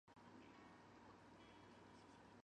他们随即陷入热恋。